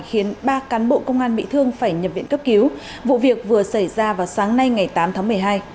khiến ba cán bộ công an bị thương phải nhập viện cấp cứu vụ việc vừa xảy ra vào sáng nay ngày tám tháng một mươi hai